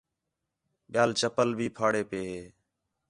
ٻِیال چپّل بھی پھاڑے پئے ہے